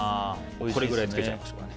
これぐらいつけちゃいましょう。